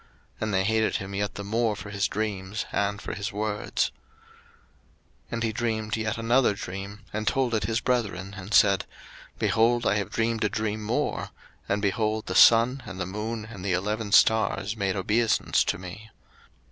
And they hated him yet the more for his dreams, and for his words. 01:037:009 And he dreamed yet another dream, and told it his brethren, and said, Behold, I have dreamed a dream more; and, behold, the sun and the moon and the eleven stars made obeisance to me.